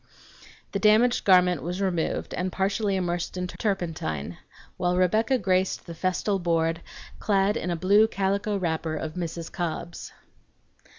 The damaged garment was removed and partially immersed in turpentine, while Rebecca graced the festal board clad in a blue calico wrapper of Mrs. Cobb's.